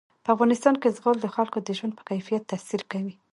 په افغانستان کې زغال د خلکو د ژوند په کیفیت تاثیر کوي.